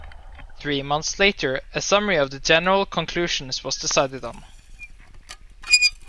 Three months later, a summary of the general conclusions was decided on.